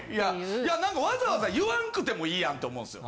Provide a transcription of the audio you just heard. いや何かわざわざ言わんくてもいいやんって思うんすよ。